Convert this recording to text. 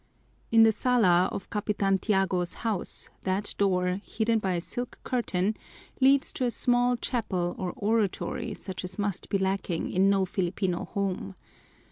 In the sala of Capitan Tiago's house, that door, hidden by a silk curtain leads to a small chapel or oratory such as must be lacking in no Filipino home.